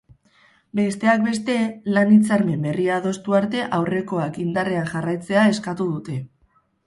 Besteak beste, lan-hitzarmen berria adostu arte aurrekoak indarrean jarraitzea eskatu dute.